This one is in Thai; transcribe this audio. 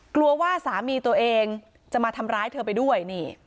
กลัวว่าสามีตัวเองจะมาทำร้ายเธอไปด้วยนี่